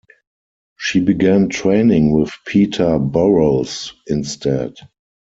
She began training with Peter Burrows instead.